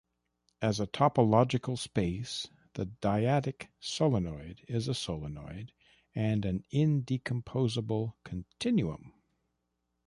As a topological space the dyadic solenoid is a solenoid, and an indecomposable continuum.